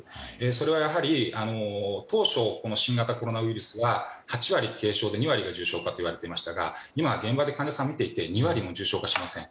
それは、やはり当初、新型コロナウイルスは８割が軽症で２割が重症化といわれていますが今は現場で患者さんを診ていて２割も重症化しません。